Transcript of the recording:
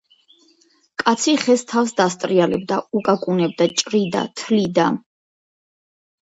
კაცი ხეს თავს დასტრიალებდა, უკაკუნებდა, ჭრიდა, თლიდა: